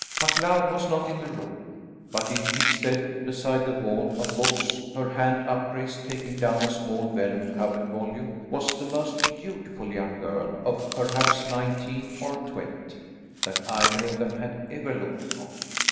MacLeod was not in the room, but in his stead, beside the wall of books, her hand upraised, taking down a small vellum covered volume, was the most beautiful young girl, of perhaps nineteen or twenty, that either of them had ever looked upon.